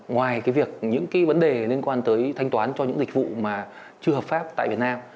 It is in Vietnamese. ngoài cái việc những cái vấn đề liên quan tới thanh toán cho những dịch vụ mà chưa hợp pháp tại việt nam